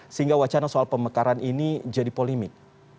sehingga wacana soal pemekaran ini jadi polemik